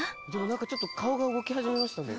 ちょっと顔が動き始めましたね。